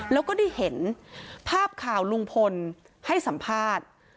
แล้วก็ได้เห็นภาพข่าวลุงพลให้สัมภาษณ์